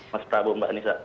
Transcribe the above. mas prabu mbak nisa